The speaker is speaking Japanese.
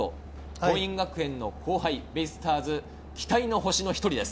桐蔭学園の後輩、ベイスターズ期待の星の１人です。